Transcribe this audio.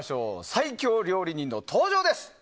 最強料理人の登場です。